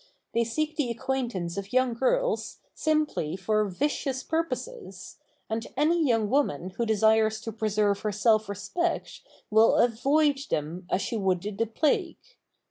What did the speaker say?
They seek the acquaintance of young girls simply for vicious purposes, and any young woman who desires to preserve her self respect will avoid them as she would the plague.